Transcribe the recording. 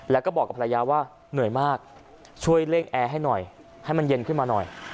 แล้วก็บอกกับภรรยาว่าเหนื่อยมากช่วยเร่งแอร์ให้หน่อยให้มันเย็นขึ้นมาหน่อย